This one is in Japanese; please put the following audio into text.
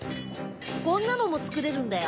こんなのもつくれるんだよ。